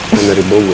kan dari bonggol